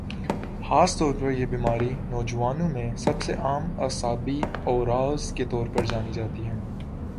خاص طور پر یہ بیماری نوجوانوں میں سب سے عام اعصابی عوارض کے طور پر جانی جاتی ہے